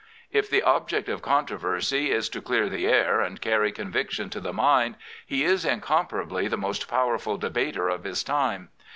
If the object of controversy is to clear the air and :aiTy conviction to the mind, he is incomparably the nost powerful debater of his time.